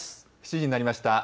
７時になりました。